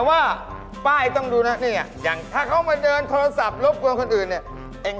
บ้านนี้อยู่แล้วมีศุกร์ไม่เกินสองเดือน